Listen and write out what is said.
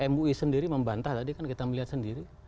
mui sendiri membantah tadi kan kita melihat sendiri